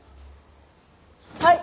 はい！